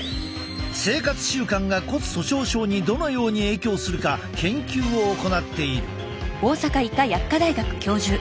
生活習慣が骨粗しょう症にどのように影響するか研究を行っている。